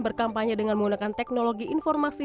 berkampanye dengan menggunakan teknologi informasi